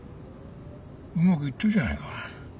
うまくいってるじゃないか。